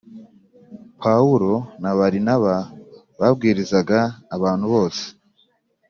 Pawulo na Barinaba babwirizaga abantu bose